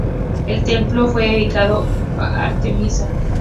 El templo fue dedicado a Artemisa.